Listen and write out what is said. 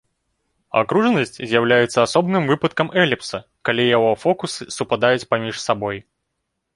Акружнасць з'яўляецца асобным выпадкам эліпса, калі яго фокусы супадаюць паміж сабой.